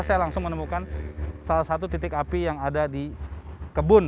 saya langsung menemukan salah satu titik api yang ada di kebun